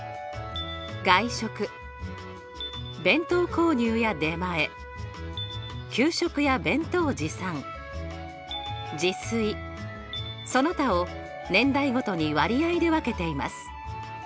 外食弁当購入や出前給食や弁当持参自炊その他を年代ごとに割合で分けています。